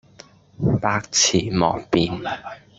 百辭莫辯